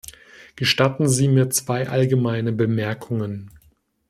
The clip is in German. Gestatten Sie mir zwei allgemeine Bemerkungen.